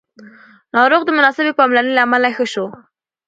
ناروغ د مناسبې پاملرنې له امله ښه شو